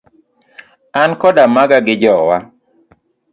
An koda maga gi jowa.